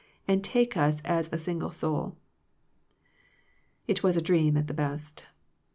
And take us as a single soul. It was a dream at the best.